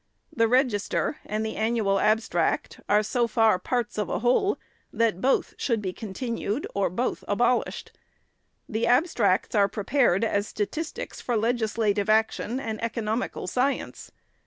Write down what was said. The "Register" and the " Annual Abstract " are so far parts of a whole, that both should be continued or both abolished. The Abstracts are prepared as statistics for legislative action and eco nomical science.